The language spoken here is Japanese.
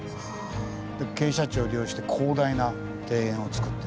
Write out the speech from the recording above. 傾斜地を利用して広大な庭園をつくって。